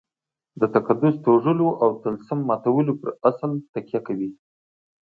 د تقدس توږلو او طلسم ماتولو پر اصل تکیه کوي.